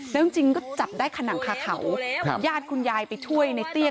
แล้วจริงก็จับได้ขนังคาเขาญาติคุณยายไปช่วยในเตี้ย